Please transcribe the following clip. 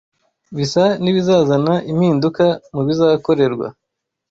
Bisa n’ibizazana impinduka mu bizakorerwa